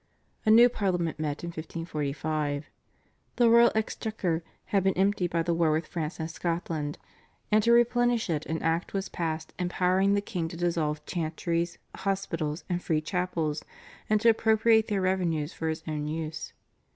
A new Parliament met in 1545. The royal exchequer had been emptied by the war with France and Scotland, and to replenish it an Act was passed empowering the king to dissolve chantries, hospitals, and free chapels, and to appropriate their revenues for his own use.